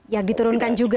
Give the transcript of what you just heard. yang diturunkan juga